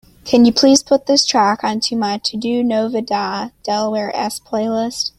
Can you please put this track onto my TODO NOVEDADelawareS playlist?